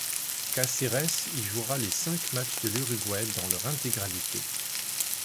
Cáceres y jouera les cinq matchs de l'Uruguay dans leur intégralité.